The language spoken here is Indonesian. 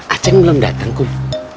acem belum datang kum